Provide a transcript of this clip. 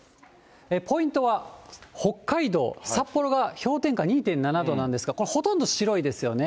ポイントは北海道札幌が氷点下２．７度なんですが、これ、ほとんど白いですよね。